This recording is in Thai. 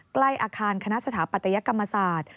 ใกล้อาคารคณะสถาปัตยกรรมศาสตร์